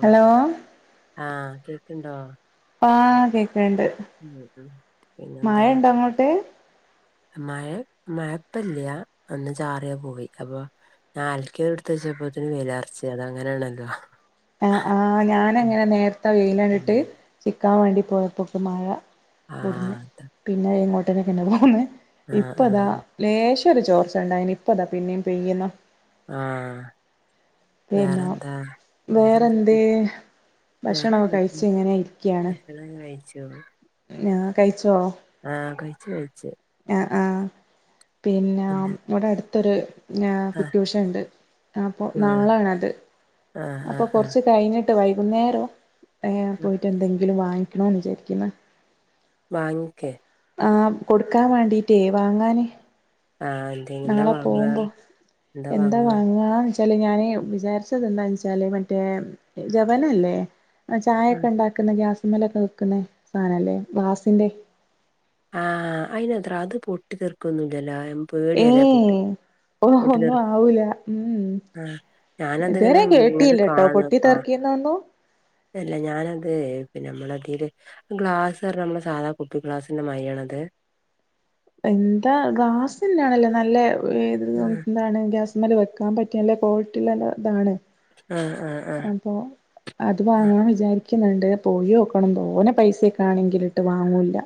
Hello ആ കേക്ക്ണ്ടോ? ആ കേക്കണണ്ട്. ഉം ഉം പിന്നെന്താ മഴയുണ്ടോ അങ്ങോട്ട്? മഴ മഴപ്പല്ല്യാ. ഒന്ന് ചാറിയാ പോയി അപ്പൊ ഞാൻ അൽക്കിയെടുത്ത് ച്ചപ്പോത്തിനും വേലാർച്ച് അത് അങ്ങനാണല്ലോ ആ ആ ഞാനങ്ങനെ നേര്ത്ത വെയിലാണ്ടിട്ട് ഉം ചിക്കാൻ വേണ്ടി പോയപ്പോക്ക് മഴ പൊട്ന്ന്‌. ആഹ് അത് പിന്നെ എങ്ങോട്ടനെക്കെ പോന്ന് ആഹ് ഇപ്പതാ ആഹ് ലേശ രു ചോർച്ച ഉണ്ടായിനി ഇപ്പതാ പിന്നേം പെയ്യുന്നു. ആഹ് പിന്ന വേറെന്താ വേറെന്തൊക്കെ വേറെന്ത്യേ? ഭക്ഷണോ വേറെന്തൊക്കെ കഴിച്ച് എങ്ങനെ ഇരിക്ക്യാണ് ഭക്ഷണം നാ കഴിച്ചോ? ആ കഴിച്ചു കഴിച്ചു. ആ ആ പിന്ന പിന്നെ ഇവ്ട അടുത്തൊര് ഞ്ഞാ ആഹ് കുറ്റൂഷണ്ട് അപ്പൊ നാളാണത് ആഹ് ആഹ് അപ്പോ ആഹ് കുറച്ച് കഴിഞ്ഞി ട്ട് വൈകുന്നേരോ ഏ ആഹ് പോയിട്ട് എന്തെങ്കിലും വാങ്ങിക്കണോന്ന് വിചാരിക്ക്ന്ന്. വാങ്ങിക്കേ ആ കൊടുക്കാൻ വാണ്ടീട്ടേ വാങ്ങാന് ആഹ് എന്തെ എന്താ നാളെ വാങ്ങാ പോകുമ്പോ എന്താ വാങ്ങാന് ച്ചാല് ഞാന് വിചാരിച്ചത് എന്താ വെച്ചാല് മറ്റേ ജവന അല്ലേ ആ ചായൊക്കെ ഉണ്ടാക്കുന്ന ഗ്യാസുമ്മലൊക്കെ വെക്കുന്നെ സാധന അല്ലേ ഗ്ലാസിന്റെ ആ അയിന് എത്രാ അത് പൊട്ടി തെറിക്കൊന്നുംല്ലല്ലോ ഏ പേടിയല്ലേ പൊട്ടി ഓ പൊട്ടി ഒന്നും തെറിക്കും ആവൂല ഉം ആഹ് ഞാനതിങ്ങനെ ഇതുവരെ ഇങ്ങനെ കേട്ടിയില്ല ട്ടോ കാണും പൊട്ടി ആഹ് തർക്കി എന്നാന്നു? അല്ല ഞാനത് പിന്നെ നമ്മളതില് ഗ്ലാസ് നമ്മളെ സാധാ കുപ്പി ഗ്ലാസ് ന്ന മയിരിയാണോ അത് എന്താ ഗ്ലാസ് തന്നെയാണല്ലേ നല്ല ഏത് ആഹ് എന്താണ് ഗ്യാസ് മേൽ വെക്കാൻ പറ്റിയ നല്ല ക്വാളറ്റിള്ളത് ഇതാണ്. ആഹ് ആഹ് ആഹ് അപ്പൊ അത് ആഹ് വാങ്ങാൻ വിചാരി ക്ക്ന്ന്ണ്ട് പോയിയോക്കണം തോനെ പൈസൊക്കെ ആണെങ്കിലിട്ട് വാങ്ങൂല്ല.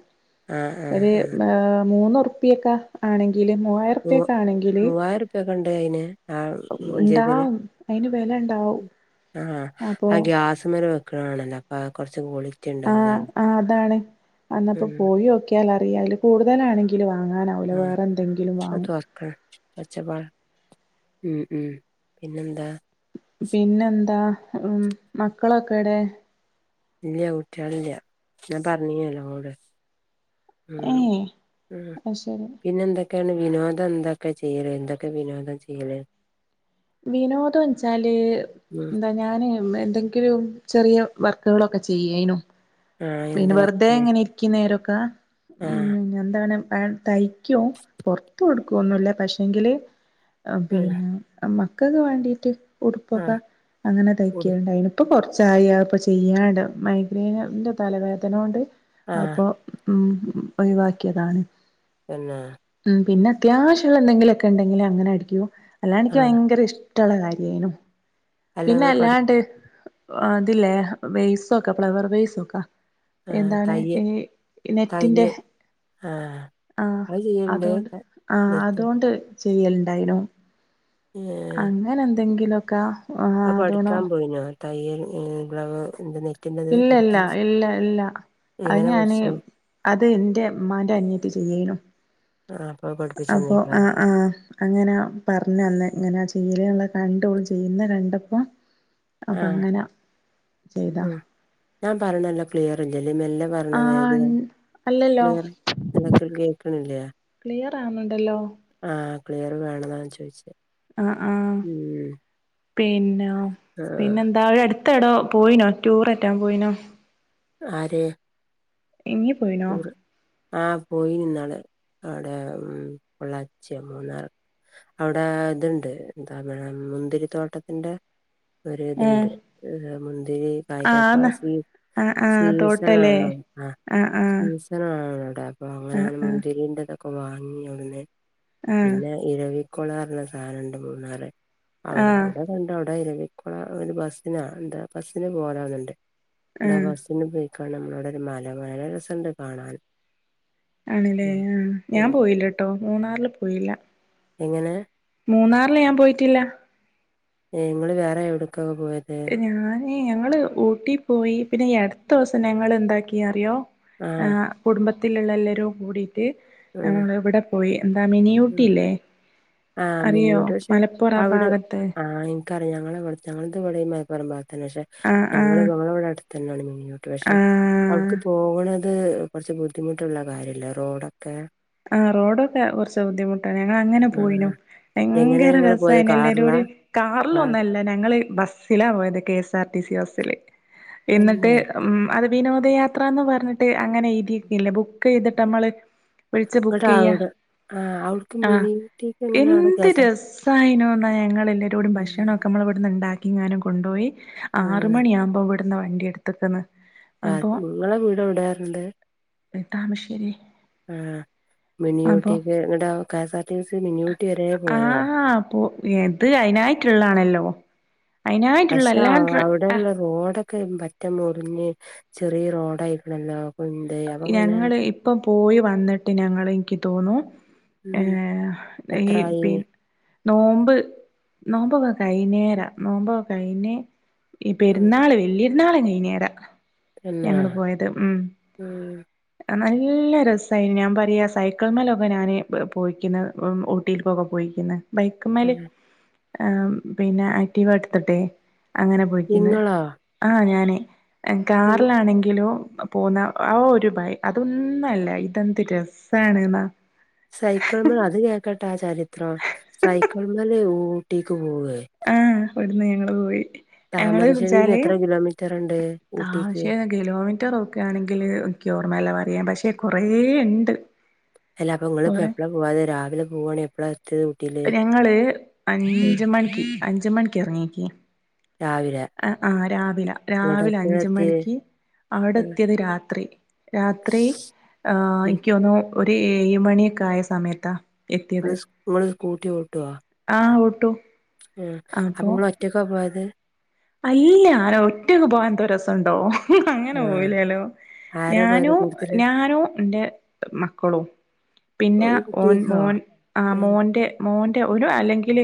ആഹ് ആഹ് ഒരു ആഹ് ഏ മൂന്നുറുപ്പിയൊക്കെ ആണെങ്ക് ങ്കില്. മൂ മുവായിരൂർപ്യൊക്കെ ആണെങ്കിൽ മൂവായിരറുപ്യൊക്കെ ഉണ്ട് അയിന് ആ ജഗിന് ഉണ്ടാവും അയിന് വില ണ്ടാവും ആ ആത് ഗ്യാസ്സുമ്മല് വെക്കുണാണല്ലോ അപ്പ കുറച്ച് ഗോളി ആഹ് ആ അതാണ് അന്നപ്പോ ഉം പോയോക്കിയാൽ അറിയാ അതില് കൂടുതലാണെങ്കില് വാ മ് അത് തൊർക്ക് ക് ഒച്ചപ്പാ ഉം ഉം പിന്നെന്താ പിന്നെന്താ മ് മക്കളൊക്കെ ഇടെ? ഇല്ല കുട്ടിയാളില്യ ഞാൻ പറഞ്ഞീനല്ലോ ഇങ്ങളോട് മ് ഏഹ് മ് അത് ശരി പിന്നെ എന്തൊ ക്കെയാണ് വിനോദം എന്തൊക്കെ ചെയ്യല് എന്തൊക്കെ വിനോദം ചെയ്യല് വിനോദ വെച്ചാല് ഉം എന്താ ഞാന് എന്തെങ്കിലും ചെറിയ വർക്കുകളൊക്കെ ചെയ്യേനും ആഹ് എന്ത് പിന്നെ വെറുതെ വർക്ക് എങ്ങനെ ഇരിക്കുന്നേരൊക്ക ആഹ് മ് എന്താനം ഞാൻ തയ്ക്കൂ പോർത്തു കൊടുക്കോന്നുല്ല പക്ഷെങ്കില് ആഹ് പിന്നെ മക്കക്ക് വേണ്ടിട്ട് ഉടുപ്പൊക്ക ആഹ് അങ്ങനെ കൂടു തയ്ക്കലുണ്ടായിനി ഇപ്പൊ കൊർ ച്ചായി അപ്പൊ ചെയ്യാണ്ട് മൈഗ്രൈനിന്റെ തലവേദന കൊണ്ട് ആഹ് അപ്പൊ ഉം ഒഴിവാക്കിയതാണ്. തന്നെ പിന്ന അത്യാവശ്യള്ള എന്തെങ്കിലൊക്കെ ഇണ്ടെങ്കില് അങ്ങനെ അടിക്കും. അല്ലാണ്ട് ക്കി ആഹ് വയ്ങ്കര ഇഷ് ട്ടള്ള കാര്യേനും അല്ല പിന്ന ഇങ്ങള് പഠി അല്ലാണ്ട് അതില്ലേ വേയ്സൊക്ക ഫ്ലവർ വെയ്സൊക്കാ ആഹ് എന്താണ് തയ്യ ഈ തയ്യ നെറ്റിന്റെ ആഹ് ആഹ് അത് ചെയ്യണ്ട് അതോണ്ട് ആഹ് നെറ്റ് അതോണ്ട് ചെയ്യല്ണ്ടായിനു. ഏഹ് ന്തെങ്കിലൊക്ക അ പടിക്കാൻ പോയിനോ തയ്യൽ ഗ്ലവ് എന്തിന് ഇല്ലല്ല. ഇല്ല ഇല്ല അത് എങ്ങനെ ഞാന് പഠിച്ചേ അത് ന്റെ മ്മാന്റെ അനിയത്തി ചെയ്യേയ്നു. ആഹ് അപ്പൊ അപ്പൊ പഠിപ്പിച്ചന്നേക്കാരം ആഹ് ആഹ് അങ്ങനാ പർഞ്ഞന്ന് ഇങ്ങനെ ചെ യ്യല്ള്ള കണ്ട് ഓൾ ചെയ്യുന്ന കണ്ടപ്പോ അപ്പൊ ആഹ് അങ്ങന ചെയ്താ. ഉം ഞാൻ പറിണല്ല ക്ലിയറല്ല് ല്ലേ മെല്ലെ പറിണ [unintelligible] ആഹ് അല്ലല്ലോ ക്ലിയറ് നല്ല കേ ക്ക്ണില്ലേ. ക്ലിയറ് ആന്നുണ്ടല്ലോ. ക്ലിയർ വേണന്നാ ഞാ ചോയ്ച്ചേ. ആഹ് ആഹ് പിന്ന ആഹ് പിന്നന്താ എ ട്ത്തടോ പോയ്നോ ടൂററ്റാം പോയിനോ? ആര്? ഇയ്യ് പോയിനോ റ്റൂർ ആഹ് പോയിനിന്നാള്. ആടെ ഉം പൊള്ളാച്യോ മൂന്നാറ് അവ്ടെ ത്ണ്ട് എന്താ മുന്തിരി തോട്ടത്തിന്റെ ഏഹ് ഒര്ത്ണ്ട് മുന്തിരി കായ്ക്ക്ണ ആന്ന് [unintelligible] ആഹ് ആഹ് സീസൺ തോട്ടല്ലേ ആണോ ആഹ് സീസണ ആഹ് അവിടെ അപ്പൊ അങ്ങനെ ആഹ് ആഹ് മുന്തിരിന്റെ തൊക്കെ വാങ്ങി അവിടന്ന് പിന്ന ആഹ് ഇരവിക്കൊള ന്നറഞ്ഞ സാനണ്ട് മൂന്നാർ അവടെ ആഹ് അവിടെ കണ്ട് ഇരവിക്കുള ഒരു ബസ്സിനാ എന്ത ബസ്സ്ന് പോലാന്ന്ണ്ട്. ണ്ടാ ആഹ് ബസ്സിന് പോയി ക്കാണ് മ്മളെ ഔടെ ഒരു മല മല രസണ്ട് കാണാന്. ആണ്ല്ലേ ആഹ് ഞാൻ പോയില്ല ട്ടോ മൂന്നാർല് പോയില്ല. എങ്ങനെ മൂന്നാറില് ഞാൻ പോയിട്ടില്ല ഏഹ് ങ്ങള് വേറെ എവിടുക്ക ഞാന് ഞങ്ങള് ഊട്ടി പോയി പിന്നെ അടുത്ത ദിവസം ഞങ്ങൾ എന്താക്കി അറിയോ ആഹ് കുടുംബത്തിലുള്ള എല്ലരും കൂടി ഉം നമ്മൾ ഇവിടെ പോയി എന്താ മിനി ഉം ഊട്ടില്ലേ ആഹ് മിനിയൂട്ടി പക്ഷെ അവ് ഭാഗത്ത് ഇൻക്കറിയാ ഞങ്ങലത് വിടെ മല തന്നെ പക്ഷെ ആഹ് ഞങ്ങള് ആഹ് പോണേ ഇവടെ അടുത്തന്നാണ് മിനിയൂട്ടി പക്ഷെ അവട്ക്ക് ആഹ് പോകണ അത് കുറച്ച് ബുദ്ധിമുട്ടുള്ള കാര്യല്ലേ റോഡൊക്കെ ആഹ് റോഡൊക്കെ കുറച്ച് ബുദ്ധിമുട്ടാണ് ഞങ്ങ അങ്ങനെ ആഹ് പോയിനു എങ്ങനെ ഭയങ്കര ഞങ്ങള് പോയത് രസായിനു കാറിലാ എല്ലരോടിം ആ കാറിലൊന്നുല്ല ഞങ്ങള് ബസിലാ പോയത് K S R T C ബസ്സ്ല് എന്നിട്ട് തന്നെ ഉം വിനോദയാത്ര എന്ന് പറഞ്ഞിട്ട് അങ്ങനെ എഴു തിരിക്കില്ലേ ബുക്ക് ചെയ്തിട്ട് നമ്മള് വിളിച്ച് ബുക്ക് ഇങ്ങട്ട് ചെയ്യാ അവിടെ ആ അവിടക്ക് ആഹ് മിനി ഊട്ടിക്ക് എങ്ങനെ അവിടെ എന്ത് കേസാ രസായിനോ ഞങ്ങൾ എല്ലാവരോടും ഭക്ഷണ ഒക്കെ നമ്മ ഇവിടുന്ന് ഉണ്ടാക്കിങ്ങാനും കൊണ്ടോയി ആ ആറ് മണിയാകുമ്പോ ട്ട്ന്ന് വണ്ടി എടുത്ത്ക്കന്ന് രാ നിങ്ങളെ വീട് വിടാറുണ്ട് താമശ്ശേരി ആഹ് മിനിയൂട്ടിക്ക് നിങ്ങളടെ K S R T C മിനിയൂട്ടി വരെ പോയോ യായിട്ടുള്ളാണല്ലോ പക്ഷാ അവിടെള്ള റോഡ ഒക്ക പറ്റ മറിഞ്ഞ് ചെറിയ റോഡായിക്കണല്ലോ കുന്ത് അപ്പങ്ങനെ ഞങ്ങള് ഇപ്പം പോയി വന്നിട്ട് ഞങ്ങള് എനിക്ക് തോന്നു ഏ ഉം ഏയ് എത്രായി പി നോമ്പ് നോമ്പൊക്കെ കൈനേരം നോമ്പൊ കഴനേ ഇ ഉം പേരുന്നാള് വല്യ ഇരുന്നാളും കഴിഞ്ഞേടാ തന്നെ ഞങ്ങള് പോയത് ഉം ഉം നല്ല രസയിരുന്നു ഞാൻ പറയാ സൈക്കിൾ മേലൊക്കെ ഞാന് പോയിക്കുന്നു ഊട്ടിക്കൊക്കെ പോയിക്കന്ന് ബൈക്ക മേൽ ആ പിന്നെ ആക്റ്റീവാ എടുത്തിട്ടെ അങ്ങനെ പോയിക്കുന്നത് ഇങ്ങളോ ആ ഞാനേ ഇ കാറിലാണെങ്കിലോ പോന്ന ആ ഒരു ഭൈ അതൊന്നുംല്ല ഇതെന്ത് രസണ് എന്നാ സൈക്കിൾ മേൽ അത് ഞാൻ കേട്ടാ [unintelligible] സൈക്കിൾ മേല് ഊട്ടിക്ക് പോവ ആ ഇവിടുന്ന് ഞങ്ങള് പോയി ഞങ്ങള് താമരശ്ശേരിന്ന് എത്ര ചാലയും കിലോമീറ്റർ ഉണ്ട് ഊട്ടിക്ക് താശ്യേ കിലോമീറ്റർ ഒക്കെ ആണെങ്കിൽ എക്ക് ർമ്മയല്ല പറയാൻ പക്ഷെ [unintelligible] കൊറേ ഇണ്ട് അല്ല അപ്പ ങ്ങള് എപ്പള പോവാതെ രാവിലെ പോവാണ് എപ്പളാ എത്തിയത് ഊട്ടിയില് ഞങ്ങള് ഉം. അഞ്ച മണിക്ക് അഞ്ച മണിക്ക് ഇറങ്ങിയക്കി രാവിലെ ആ രാവിലെ ഇങ്ങട്ട് രാവിലെ എപ്പഴാ അഞ്ച എത്തിയേ മണിക്ക് അവിടെ ആഹ് എത്തിയത് രാത്രി രാത്രി ആ എനിക്ക്തോന്നു ഒരു ഏഴ് മണിയൊക്കെ ആയ സമയത്താ എത്തിയത് ങ്ങള് ങ്ങള് സ്കൂട്ടിട്ടവാ ആഹ് ഓട്ടു ഉം ഉം അപ്പൊ ങ്ങള് ഒറ്റക്കാ പോയത് അല്ല ആന ഒറ്റക്ക പോവാന്ത രസംണ്ടോ അങ്ങനെ ആഹ് പോയില്ലല്ലോ ആരാ പോയത് ഞാനോ കൂട്ടത്തില് ഞാനോ എൻ്റെ മക്കളോ പിന്നെ ഓൻ ഊട്ടിക്കോ മോൻ ആ മോൻ്റെ മോൻ ഒരു അല്ലെങ്കിൽ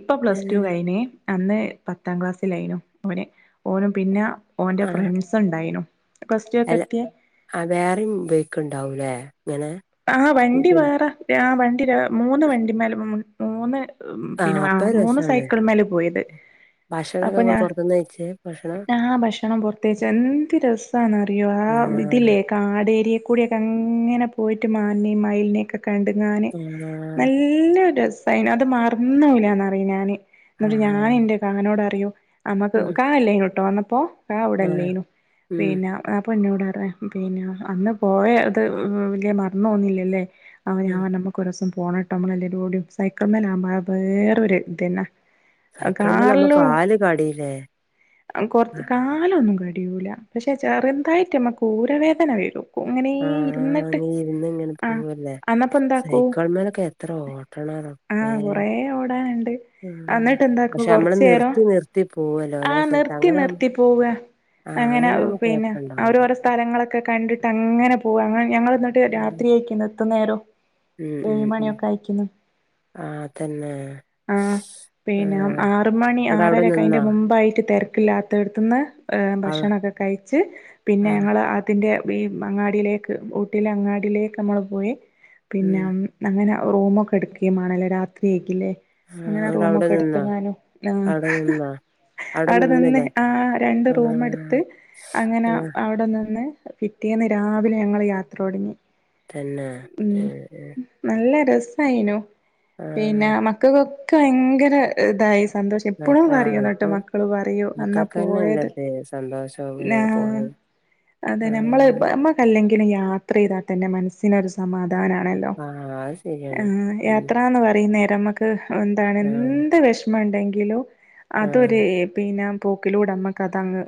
ഇപ്പ പ്ലസ്ടു കഴിഞ്ഞേ അന്നു പത്താം ക്ലാസ് [unintelligible] ഓനും പിന്നെ ഓൻ്റെ ആഹ് ഫ്രണ്ട്സ് ഉണ്ടായിനു പ്ലസ് ടു ഒക്കെ അല്ല എത്തിയ ആ വേറെയും ബേക്ക്ണ്ടാവൂല്ലേ ആ വണ്ടി വേറെ ആ വണ്ടി മൂന്ന് വണ്ടിമാേല മൂന്ന് ഉം പിന്നെ ആഹ് വ അപ്പൊ മൂന്ന് രസാണ് സൈക്കിൾ മേല് പോയത് ഭക്ഷണൊക്കെ അപ്പൊ ഇങ്ങള് ഞാ പൊറത്ത്ന്നാ കഴിച്ചേ ഭക്ഷണം ഞ ആ ഭക്ഷണം പുറത്തേച്ച എന്ത് രസന്ന് അറിയോ ആ ആ ആഹ് ഇതില്ലേ കാടേരിയെ കൂടിയൊക്കെ അങ്ങനെ പോയിട്ട് മാനിനെയും മയിലിനെയ കണ്ടുങ്ങാന് ആഹ് നല്ല രസ സൈന അത് മറന്നൂല്ലന്ന്റിയ ഞാന് എന്നിട്ട് ഞാൻ ആഹ് എൻന്റെ കാനോട് അറിയോ അമ്മക്ക് ഉം ക എല്ലന ഇട്ടോ വന്നപ്പോ കാ ആഹ് ഇവിടെല്ലനു ഉം പിന്നെ പ്പൾ പിന്നോടറെ പിന്നെ അന്ന് പോയ അത് വലിയ മറന്ന് തോന്നില്ലല്ലേ ഉം അവനൻ നമ്മക്ക്സം പോണട്ട് നമ്മള എല്ലര കൂടും സൈക്കിൾ മേല ആകുമ്പോ വേറൊരു ഇതനെ സൈക്കിൾമ്മല് നമ്മ കാറിലോ കാല് കടീലേ കൊറ ആഹ് കാല ഒന്നും [inaudible] [unintelligible] പക്ഷെ ചെറുതായിട്ട്മ്മക്ക് ഊരവേദന വരൂ അങ്ങനെ ഇരുന്നിട്ട് ഇന്ന ഇങ്ങനെ ആഹ് പോവല്ലേ അന്നപ്പോ എന്താക്കൂ സൈക്കോൾ മേലൊക്കെ എത്ര ഓട്ടണം റപ്പേ ആഹ് കൊറേ ഓടാനുണ്ട് എന്നിട്ട് എന്താക്കും കൊറച്ചു നേേരം നിർത്തി നിർത്തി പോവല്ലോ ആ ഓരോ സ്ഥലത്ത് നിർത്തി അങ്ങനെ ആവു നിർത്തി പോവുക ആഹ് അങ്ങനെ അങ്ങനാവുമ്പോ പിന്നെ കൊഴപ്പണ്ടാവൂല ഓരോരോ സ്ഥലങ്ങളൊക്കെ കണ്ടിട്ട് അങ്ങനെ പോ അങ്ങ ഞങ്ങ എന്നിട്ട് രാത്രി ഉം അയക്കുന്നു എത്ര നേരോ ഏഴ് മണിയൊക്കെ അയക്കുന്നു ആതന്നെ പിന്നെ ആറ മണി ആറരക്കെ ആയിൻ്റെ മുമ്പായിട്ട് തിര ക്ക്ല്ലാത്തടുന്ന് അവ ഭക്ഷണംക്കെ കഴിച്ച് പിന്നെ ആഹ് ഞങ്ങള് അതിൻ ൻ്റെ ഈ അങ്ങാടിയിലേക്ക് ഊട്ടിലെ അങ്ങാടിയിലേക്ക് നമ്മൾ പോയി പിന്നെ ഉം അങ്ങനെ റൂമൊക്കെ എടുക്കുകയുംമാണല്ലേ രാത്രിയക്കല്ലേ ആഹ് അങ്ങനെ ഇന്നട്ട് റൂമ അവടെ ഒക്കെ നിന്നോ എടുത്തക്കാനും ആ അവിടെ നിന്നോ? അവിടെ നിന്ന് ആ രണ്ട് റൂമ എടുത്ത് ആഹ്. അങ്ങനെ ആഹ് അവിടെ നിന്ന് പിറ്റേന്ന് രാവിലെ ഞങ്ങള് യാത്രോടങ്ങി തന്നെ. ഉം ഏഹ് ഏഹ്. നല്ല രസേയിനു പിന്നെ ആഹ്. മക്കക്കൊക്കെ ഭയങ്കര ഇതായി സന്തോഷം മക്ക ഇപ്പളും ആഹ് പറയുന്നട്ട് ഇപ്പൊ മക്കള് പറയും അന്നാ പോയത് മക്കൾക്കന്നെല്ലത് സന്തോഷം ഇങ്ങനെ പോണെ. അതെ നമ്മള് ആഹ്. നമ്മക്കല്ലെങ്കിലും യാത്രയ്താ തന്നെ മനസ്സിനൊരു സമാ ധാനാണല്ലോ ആഹ് അത് എ ശരിയാണ്. ഉം. യാത്രാന്ന് പറയ്ന്നേരമ്മക്ക് എന്താണ് ആഹ് എന്ത് വേഷമണ്ടെങ്കിലും ആഹ്. അതൊരു ഏ പിന്നെ പോക്കിലൂടെമ്മക്ക് അതങ്ങ്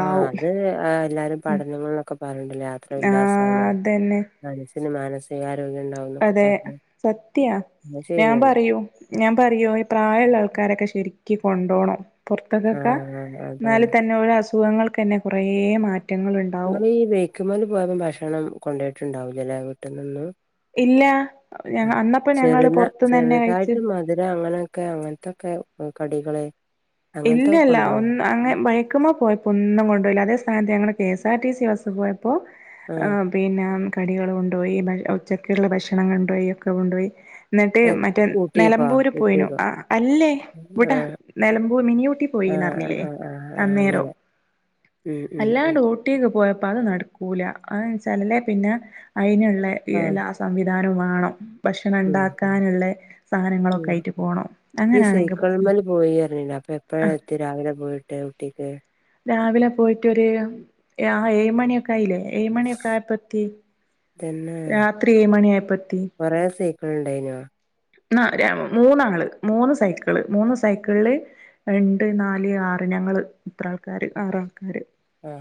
ആ അത് ഏ എല്ലാരും പഠനങ്ങളോക്കെ പറഞ്ഞ്ട്ട്ല്ലേ യാത്ര ആ ഉല്ലാസാണ് അതന്നെ മനസ്സിന് മാനസിക അതെ സത്യാ അത് ഞാൻ ശരിയാണ്. പറയും ഞാൻ പറയും ഈ പ്രായള്ള ആൾക്കാരൊക്കെ ശെരി ക്യും കൊണ്ടോണം പോറത്ത്ക്കൊക്കെ ആഹ് അതാണ്. ന്നാല്തന്നെ ഓലെ അസുഖങ്ങള്ക്കെന്നെ കൊറേ മാ ഇങ്ങള് ഈ ബേയ്ക്ക്‌മ്മല് പോയപ്പം ഭക്ഷണം കൊണ്ടോയിട്ടുണ്ടാവൂലലെ വീട്ട്ന്നോന്നും ഇല്ല ഞ ആ അന്നപ്പോ ഞങ്ങള് ചെറ്ന്ന പൊറത്ത്ന്നന്നെ കഴിച്ച് ചെറ്തായിട്ട് മധുരം അങ്ങനെയൊക്കെ അങ്ങന് ഒക്കെ കടികളെ ഇല്ലല്ല ഒന്ന് അങ്ങനെ ബൈക്ക്മ്മ ‌ പോയപ്പോന്നും കൊണ്ടോയ്ല്ല അതേ സ്ഥാനത്ത് ഞങ്ങള് K S R T C bus പോയപ്പോ ഏ ആഹ് പിന്നെ കടികള് കൊണ്ടോയി ബൽ ഉച്ചക്ക്‌ള്ള ഭക്ഷണം കൊണ്ടോയി ഒക്കെ കൊണ്ടോയി എന്നിട്ട് എ മറ്റേ ഊട്ടിക്കോ നെലമ്പൂര് പോയിനു ഊട്ടിക്കോ ആ അല്ലേ ഇവ്ടാ ആഹ് നെല മിനി ഊട്ടി ആഹ് പോയിന്ന്റ്ഞ്ഞില്ലേ ആഹ് ആഹ് ആഹ് അന്നേരം അങ്ങനെ ഉം ഉം ഉം അല്ലാണ്ട് ഊട്ടി പോയപ്പോ അത് നടക്കൂല അത്ച്ചാ അല്ലേ പിന്നെ അയിന്ള്ളേ ആഹ് എല്ലാ സംവിധാനു വാ ണം ഉം ഭക്ഷണണ്ടാക്കാന്ള്ള സാധനങ്ങളൊക്കെ ഉം ആയിട്ട് പോണം അങ്ങനെയാണെങ്കി എപ്പോഴത്തി രാവിലെ പോയിട്ട് ഊട്ടിക്ക് രാവിലെ പോയിട്ടോര് ആ ഏഴ് മണിയൊക്കെ ആയില്ലേ ഏഴ് മണിയൊക്കെ ആയപ്പോ എത്തി തന്നെ കൊറെ സൈക്കള്ണ്ടായിനോ ന്നാ ആ മൂന്നാള് മൂന്ന് സൈക്കള് മൂന്ന് സൈക്കള്ല് രണ്ട് നാല് ആറ് ഞങ്ങള് ഇത്ര ആള്ക്കാര് ആറാൾക്കാര് ആ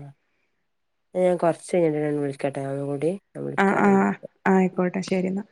ഞാൻ കൊറച്ചഴിഞ്ഞിട്ടെന്നെ വിളിക്കട്ടോ ഒന്നുംകൂടിം ആ ആഹ് ആയിക്കോട്ടെ ശെരിന്നാ